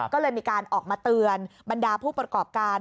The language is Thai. ก็เลยมีการออกมาเตือนบรรดาผู้ประกอบการ